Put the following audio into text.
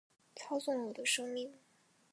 操纵了我的生命